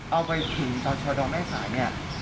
เอาไปถึงต่อชะดอแม่สายเนี่ย